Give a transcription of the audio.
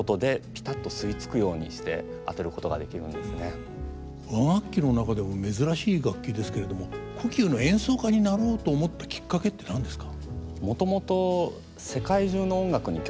なので和楽器の中でも珍しい楽器ですけれども胡弓の演奏家になろうと思ったきっかけって何ですか？